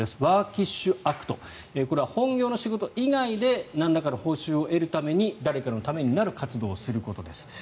これは本業の仕事以外でなんらかの報酬を得るために誰かのためになる活動をすることです。